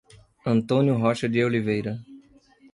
Antônio Rocha de Oliveira